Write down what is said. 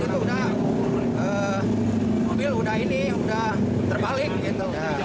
itu udah mobil udah ini udah terbalik gitu